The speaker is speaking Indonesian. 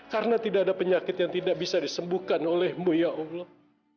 karena tidak ada penyakit yang tidak bisa disembuhkan olehmu ya allah